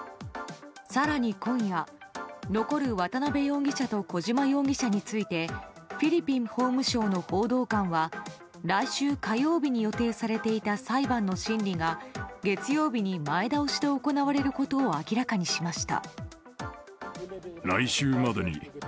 更に、今夜残る渡辺容疑者と小島容疑者についてフィリピン法務省の報道官は来週火曜日に予定されていた裁判の審理が月曜日に前倒しで行われることを明らかにしました。